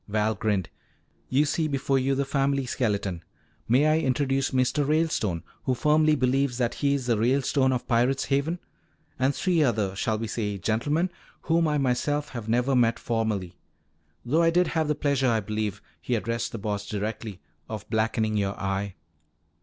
Val grinned. "You see before you the family skeleton. May I introduce Mr. Ralestone, who firmly believes that he is the Ralestone of Pirate's Haven? And three other shall we say gentlemen whom I myself have never met formally. Though I did have the pleasure, I believe," he addressed the Boss directly, "of blackening your eye."